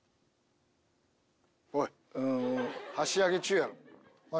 おい箸上げ中やろ？